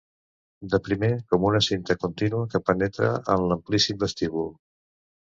De primer com una cinta contínua que penetra en l'amplíssim vestíbul.